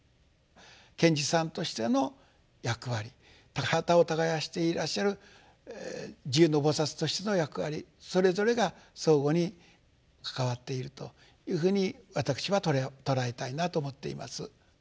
賢治さんとしての役割田畑を耕していらっしゃる地涌の菩薩としての役割それぞれが相互に関わっているというふうに私は捉えたいなと思っています。